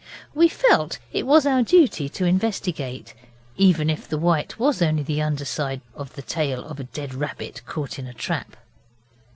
We felt it was our duty to investigate, even if the white was only the under side of the tail of a dead rabbit caught in a trap.